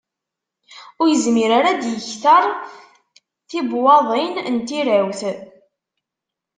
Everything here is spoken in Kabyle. Ur yezmir ara ad d-yekter tibwaḍin n tirawt.